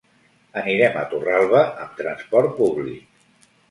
Anirem a Torralba amb transport públic.